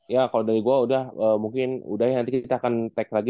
ya kalau dari gue udah mungkin udah ya nanti kita akan take lagi